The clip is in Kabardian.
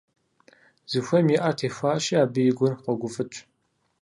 Зыхуейм и Ӏэр техуащи, абы и гур къогуфӀыкӀ.